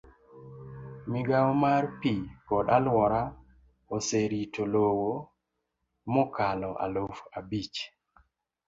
Migawo mar pi kod alwora oserito lowo mokalo aluf abich.